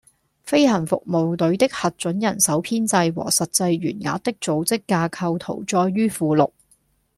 飛行服務隊的核准人手編制和實際員額的組織架構圖載於附錄